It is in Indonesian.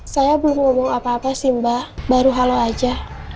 saya belum ngomong apa apa sih mbak baru halo aja